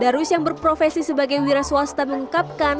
darus yang berprofesi sebagai wira swasta mengungkapkan